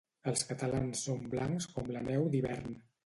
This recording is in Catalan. Els catalans som blancs com la neu d'hivern